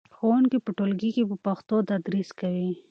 ښوونکي په ټولګي کې په پښتو تدریس کوي.